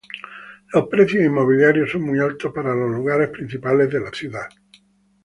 Los precios inmobiliarios son muy altos para los lugares principales de la ciudad.